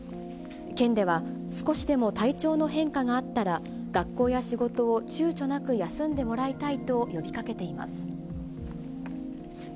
県では、少しでも体調の変化があったら、学校や仕事をちゅうちょなく休んでもらいたいと呼びかけています。